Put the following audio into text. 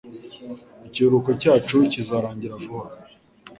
Ikiruhuko cyacu kizarangira vuba.